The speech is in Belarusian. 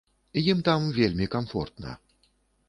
Ім там вельмі камфортна.